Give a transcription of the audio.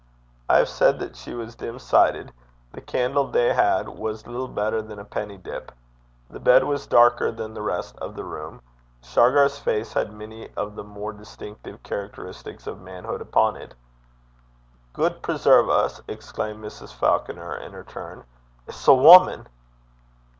I have said that she was dim sighted. The candle they had was little better than a penny dip. The bed was darker than the rest of the room. Shargar's face had none of the more distinctive characteristics of manhood upon it. 'Gude preserve 's!' exclaimed Mrs. Falconer in her turn: 'it's a wumman.'